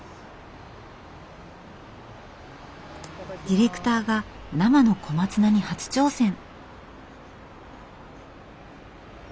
ディレクターが生の小松菜に初挑戦。